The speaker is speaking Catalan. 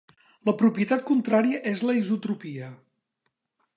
La propietat contrària és la isotropia.